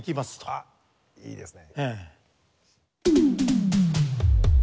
あっいいですね。